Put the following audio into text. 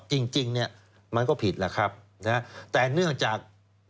จริงจริงเนี่ยมันก็ผิดแหละครับนะฮะแต่เนื่องจาก